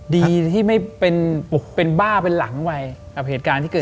ดีที่ไม่เป็นบ้าเป็นหลังวัยกับเหตุการณ์ที่เกิด